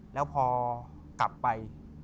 แล้วพอกลับไป